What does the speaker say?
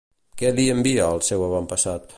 Què li envia al seu avantpassat?